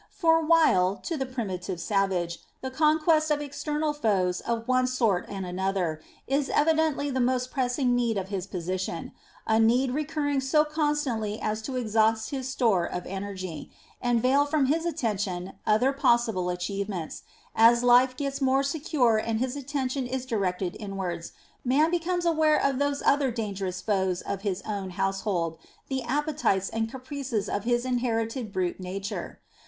For while, to the primitive savage, the conquest of external foes of one sort and another is evidently the most pressing need of his position, a need recurring so constantly as to exhaust his store of energy, and veil from his attention other possible achieve ments, as life gets more secure and his attention is directed inwards, man becomes aware of those other dangerous foes of his own household, the appetites and caprices of his inherited brute nature.